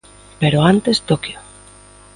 Pero antes Toquio.